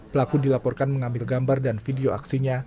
pelaku dilaporkan mengambil gambar dan video aksinya